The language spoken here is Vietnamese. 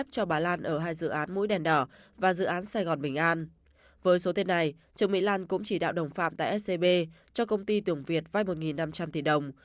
trường mỹ lan cũng chỉ đạo đồng phạm tại scb cho công ty tưởng việt vai một năm trăm linh tỷ đồng